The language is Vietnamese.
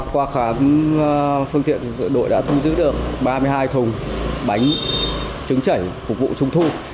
qua khám phương tiện đội đã thu giữ được ba mươi hai thùng bánh trứng chảy phục vụ trung thu